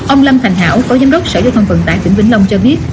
ông lâm thành hảo phó giám đốc sở giao thông vận tải tỉnh vĩnh long cho biết